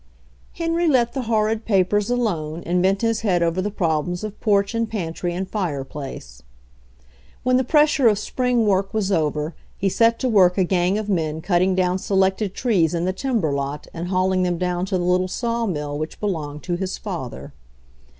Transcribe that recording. Henry let the horrid papers alone and bent his head over the problems of porch and pantry and fireplace. When the pressure of spring work was over, he set to work a gang of men, cutting down se lected trees in the timber lot and hauling them down to the little sawmill which belonged to his father.